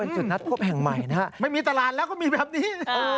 จุดนัดพบแห่งใหม่นะฮะไม่มีตลาดแล้วก็มีแบบนี้